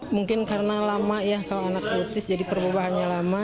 mungkin karena lama ya kalau anak klutis jadi perubahannya lama